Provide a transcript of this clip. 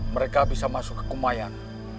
mereka bisa masuk ke kumayan